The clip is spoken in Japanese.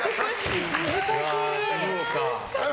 難しい。